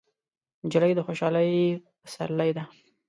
نجلۍ د خوشحالۍ پسرلی ده.